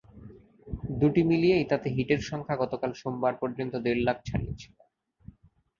দুটি মিলিয়েই তাতে হিটের সংখ্যা গতকাল সোমবার পর্যন্ত দেড় লাখ ছাড়িয়েছিল।